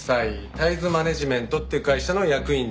タイズマネジメントっていう会社の役員でした。